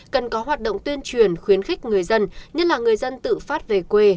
cần có hoạt động tuyên truyền khuyến khích người dân nhất là người dân tự phát về quê